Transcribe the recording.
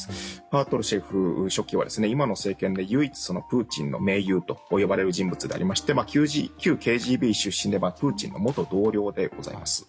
パトルシェフ書記は今の政権で唯一プーチンの盟友と呼ばれる人物で旧ＫＧＢの出身でプーチンの元同僚です。